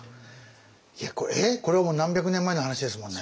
いやえっこれもう何百年前の話ですもんね。